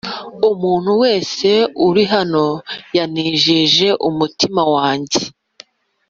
Umuntu wese uri hano yanejeje umutima wanjye